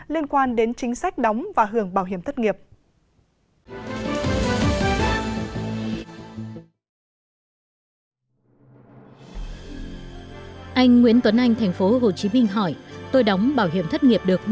liên quan đến chính sách đóng và hưởng bảo hiểm thất nghiệp